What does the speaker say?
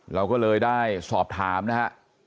เราก็เลยได้สอบถามนะฮะ